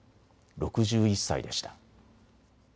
６１歳でした。